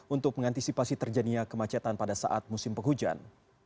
untuk mengantisipasi terjadinya kemacetan pada saat musim penghujan